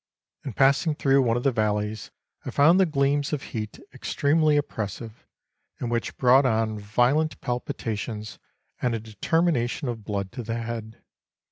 In passing through one of the valleys I found the gleams of heat extremely oppressive, and which brought on violent palpitations and a determination of blood to the head.